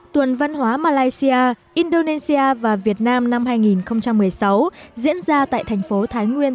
tuần văn hóa malaysia indonesia và việt nam năm hai nghìn một mươi sáu diễn ra tại thành phố thái nguyên